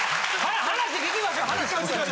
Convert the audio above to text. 話聞きましょう！